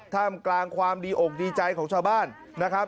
ท่ามกลางความดีอกดีใจของชาวบ้านนะครับ